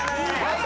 いい。